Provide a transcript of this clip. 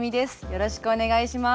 よろしくお願いします。